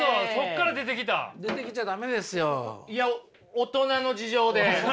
大人の事情で。